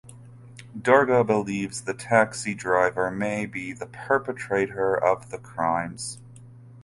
Durga believes the taxi driver may be the perpetrator of the crimes.